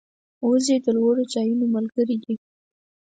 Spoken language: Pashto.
وزې د لوړو ځایونو ملګرې دي